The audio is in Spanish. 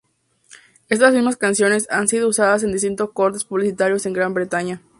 Estas mismas canciones han sido usadas en distintos cortes publicitarios en Gran Bretaña.